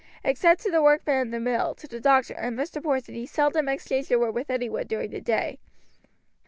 Except to the workmen in the mill, to the doctor, and Mr. Porson he seldom exchanged a word with any one during the day.